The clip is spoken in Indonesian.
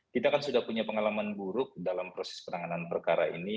kita kan sudah punya pengalaman buruk dalam proses penanganan perkara ini